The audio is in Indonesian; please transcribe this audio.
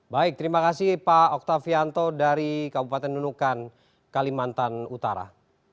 baik terima kasih pak oktavianto dari kabupaten nunukan kalimantan utara